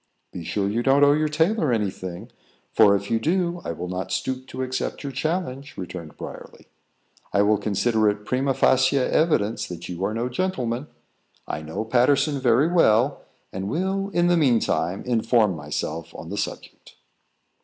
"Be sure you don't owe your tailor any thing, for if you do, I will not stoop to accept your challenge," returned Briarly. "I will consider it primâ facie evidence that you are no gentleman. I know Patterson very well, and will, in the mean time, inform myself on the subject."